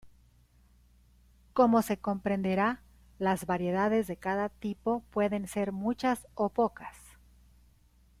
Como se comprenderá, las variedades de cada tipo pueden ser muchas o pocas.